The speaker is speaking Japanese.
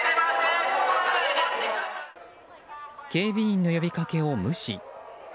警備員の呼びかけを無視。